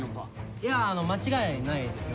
いや間違いないですよ